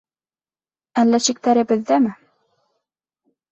Әллә шиктәре беҙҙәме?